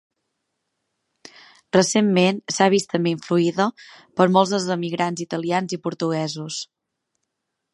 Recentment, s'ha vist també influïda per molts dels emigrants italians i portuguesos.